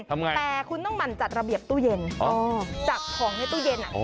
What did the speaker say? ทำไมแต่คุณต้องหมั่นจัดระเบียบตู้เย็นจัดของในตู้เย็นอ่ะ